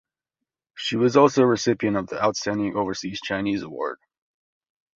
She was also a recipient of the Outstanding Overseas Chinese Award.